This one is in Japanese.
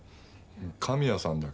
神谷さんだっけ？